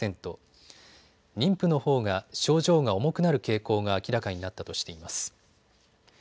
妊婦のほうが症状が重くなる傾向が明らかになったとしています。